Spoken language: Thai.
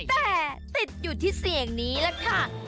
แต่ติดอยู่ที่เสียงนี้แหละค่ะ